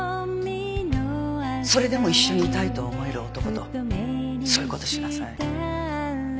それでも一緒にいたいと思える男とそういう事しなさい。